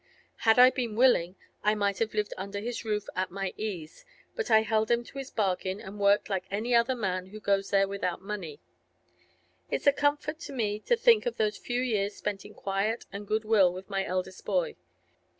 Had I been willing, I might have lived under his roof at my ease; but I held him to his bargain, and worked like any other man who goes there without money. It's a comfort to me to think of those few years spent in quiet and goodwill with my eldest boy.